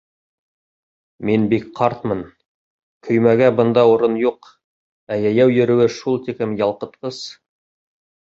Мин бик ҡартмын, көймәгә бында урын юҡ, ә йәйәү йөрөүе шул тиклем ялҡытҡыс...